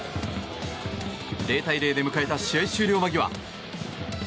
０対０で迎えた試合終了間際。